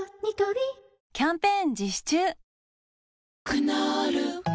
クノール